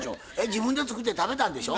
自分で作って食べたんでしょ？